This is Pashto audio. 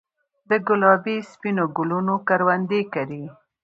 دګلابي ، سپینو ګلونو کروندې کرې